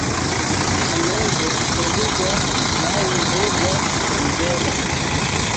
Hanojo troviĝas laŭ Ruĝa rivero.